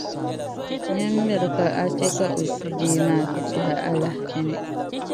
nyin’ miri ka a chɛ ka a sujee maa ti kpɛh’ a alahichi ni.